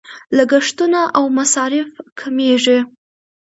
لګښتونه او مصارف کمیږي.